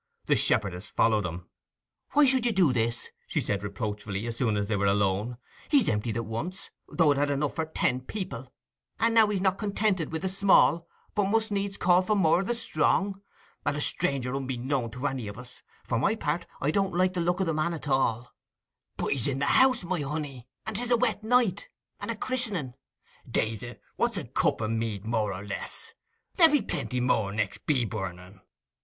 The shepherdess followed him. 'Why should you do this?' she said reproachfully, as soon as they were alone. 'He's emptied it once, though it held enough for ten people; and now he's not contented wi' the small, but must needs call for more o' the strong! And a stranger unbeknown to any of us. For my part, I don't like the look o' the man at all.' 'But he's in the house, my honey; and 'tis a wet night, and a christening. Daze it, what's a cup of mead more or less? There'll be plenty more next bee burning.